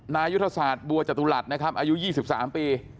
นายุทธศาสตร์บัวจตุรัสนะครับอายุ๒๓ปี